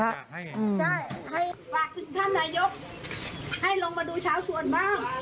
ได้ฝากถึงท่านนายกให้ลงมาดูชาวสวนบ้าง